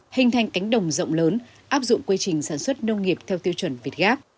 hình thành cánh đồng rộng lớn áp dụng quy trình sản xuất nông nghiệp theo tiêu chuẩn việt gáp